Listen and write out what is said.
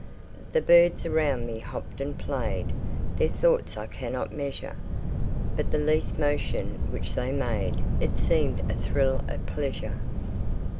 The birds around me hopped and played, Their thoughts I cannot measure: But the least motion which they made It seemed a thrill of pleasure.